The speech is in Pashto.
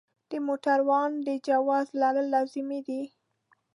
د موټروان د جواز لرل لازمي دي.